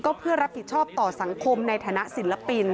ก็เพื่อรับผิดชอบต่อสังคมในฐานะศิลปิน